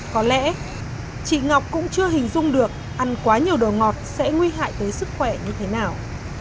có lẽ chị ngọc cũng chưa hình dung được ăn quá nhiều đồ ngọt sẽ nguy hại tới sức khỏe như thế nào